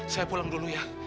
saya pulang dulu ya